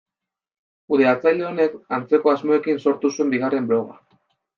Kudeatzaile honek antzeko asmoekin sortu zuen bigarren bloga.